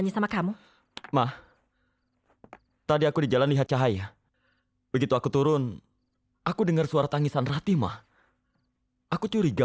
sampai jumpa di video selanjutnya